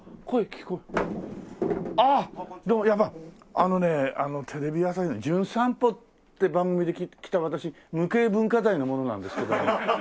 あのねテレビ朝日の『じゅん散歩』って番組で来た私無形文化財の者なんですけども。